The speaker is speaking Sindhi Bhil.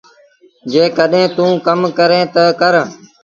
جيڪڏهيݩ توݩ ڪم ڪريݩ تا ڪر۔